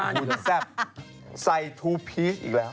อ้าวอวดหุดแซ่บใส่ทูพีส์อีกแล้ว